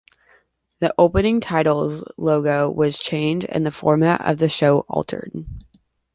The opening titles logo was changed and the format of the show altered.